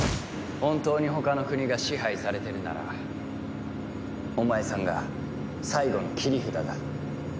本当に他の国が支配されてるならお前さんが最後の切り札だ。